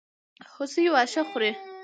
هوسۍ واښه خوري.